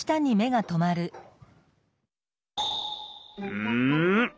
うん！？